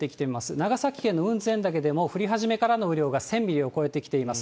長崎県雲仙だけでも降り始めからの雨量が１０００ミリを超えてきています。